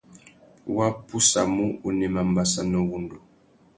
Wá pussamú, unema mbassa na uwundu.